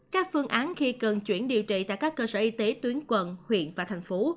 các phương án khi cần chuyển điều trị tại các cơ sở y tế tuyến quận huyện và thành phố